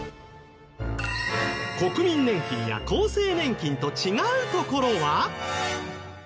国民年金や厚生年金と違うところは？